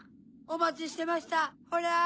おまちしてましたホラ。